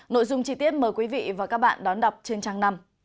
nội dung chi tiết mời quý vị và các bạn đón đọc trên trang năm